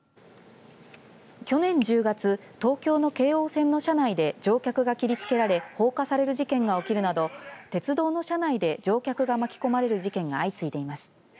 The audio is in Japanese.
去年１０月東京の京王線の車内で乗客が切りつけられ放火される事件が起きるなど鉄道の車内で乗客が巻き込まれる事件が相次いでいます。